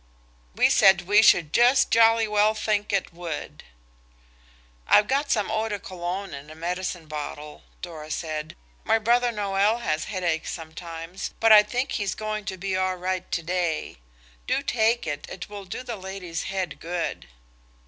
We said we should just jolly well think it would. "I've got some Eau de Cologne in a medicine bottle," Dora said; "my brother Noël has headaches sometimes, but I think he's going to be all right to day. Do take it, it will do the lady's head good."